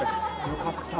よかった。